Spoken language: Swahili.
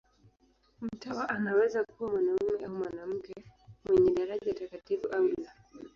Mtawa anaweza kuwa mwanamume au mwanamke, mwenye daraja takatifu au la.